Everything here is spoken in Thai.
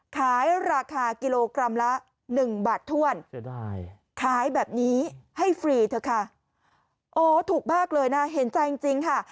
ขายราคากิโลกรัมละ๑บาทถ้วนขายแบบนี้ให้ฟรีเถอะค่ะโอ้ถูกมากเลยนะเห็นใจจริงค่ะ